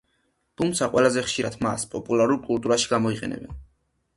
თუმცა, ყველაზე ხშირად მას პოპულარულ კულტურაში გამოიყენებენ.